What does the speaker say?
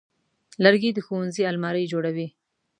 لرګی د ښوونځي المارۍ جوړوي.